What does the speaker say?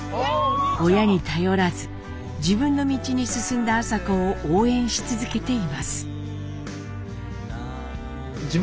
親に頼らず自分の道に進んだ麻子を応援し続けています。